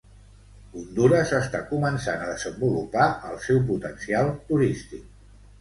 Hondures està començant a desenvolupar el seu potencial turístic.